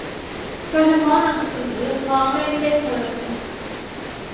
โดยเฉพาะ หนังสือ ร้องเล่นเต้นเพลิน